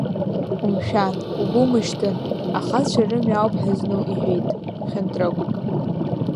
Умшәан, угәы умышьҭын, ахацәа рымҩа ауп ҳазну, — иҳәеит Хынтрыгә.